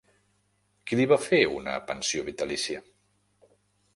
Qui li va fer una pensió vitalícia?